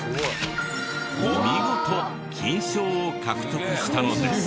見事金賞を獲得したのです。